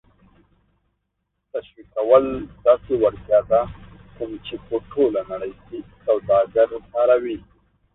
تشویقول داسې وړتیا ده کوم چې په ټوله نړۍ کې سوداگر کاروي